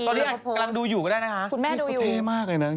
ตอนนี้กำลังดูอยู่ก็ได้นะฮะ